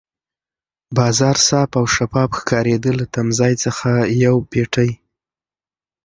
باران صاف او شفاف ښکارېده، له تمځای څخه یو پېټی.